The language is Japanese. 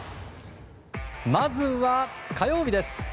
まずは火曜日です。